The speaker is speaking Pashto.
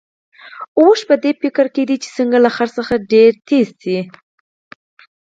اوښ په دې فکر کې دی چې څنګه له خره څخه ډېر تېز شي.